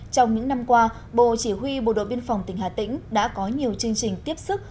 trong những năm qua bộ chỉ huy bộ đội biên phòng tỉnh hà tĩnh đã có nhiều chương trình tiếp sức